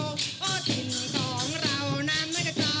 โอชินของเราน้ำเมฆจร